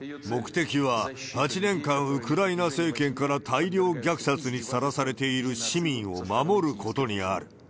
目的は、８年間ウクライナ政権から大量虐殺にさらされている市民を守ることにある。